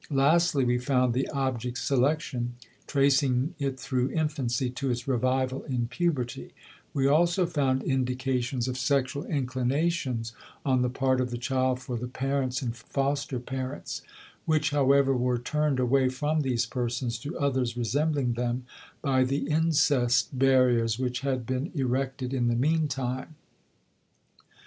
Lastly, we found the object selection, tracing it through infancy to its revival in puberty; we also found indications of sexual inclinations on the part of the child for the parents and foster parents, which, however, were turned away from these persons to others resembling them by the incest barriers which had been erected in the meantime.